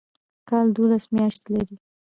کال دوولس میاشتې لري